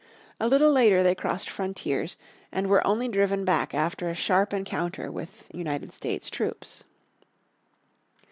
A little later they crossed frontiers, and were only driven back after a sharp encounter with United States troops.